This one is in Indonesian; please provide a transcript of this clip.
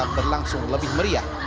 dan tetap berlangsung lebih meriah